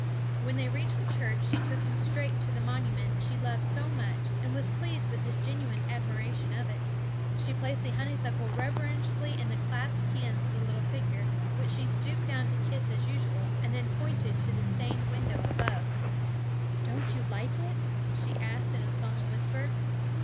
When they reached the church, she took him straight to the monument she loved so much, and was pleased with his genuine admiration of it. She placed the honeysuckle reverentially in the clasped hands of the little figure, which she stooped down to kiss as usual, and then pointed to the stained window above. 'Don't you like it?' she said in a solemn whisper.